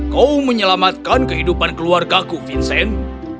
kau menyelamatkan kehidupan keluargaku vincent